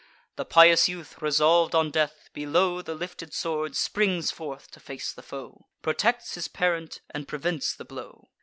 The pious youth, resolv'd on death, below The lifted sword springs forth to face the foe; Protects his parent, and prevents the blow.